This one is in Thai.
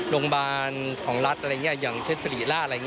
โรงพี่บรรยาสว์ของรัฐอะไรอย่างเช็คสรีราช